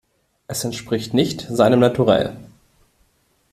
Es entspricht nicht seinem Naturell.